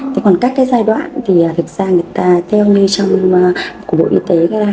thế còn các cái giai đoạn thì thực ra người ta theo như trong bộ y tế ra